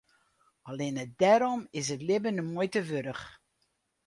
Allinne dêrom is it libben de muoite wurdich.